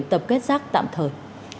để tập kết rác tạm thời